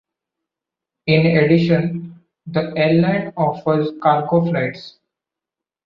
In addition, the airline offers cargo flights.